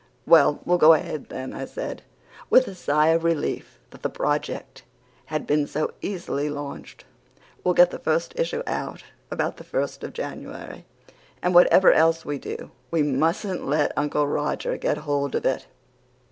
"Well, we'll go ahead then," I said, with a sigh of relief that the project had been so easily launched. "We'll get the first issue out about the first of January. And whatever else we do we mustn't let Uncle Roger get hold of it.